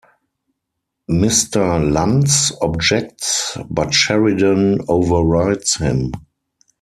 Mr. Lantz objects, but Sheridan overrides him.